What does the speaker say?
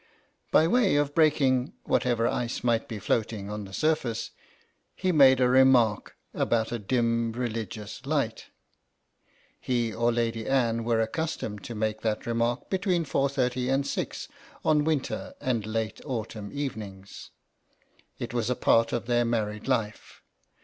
By way of breaking whatever ice might be floating on the surface he made a remark about a dim religious light. He or Lady Anne were accustomed to make that re mark between 4.30 and 6 on winter and late 8 THE RETICENCE OF LADY ANNE autumn evenings; it was a part of their married life.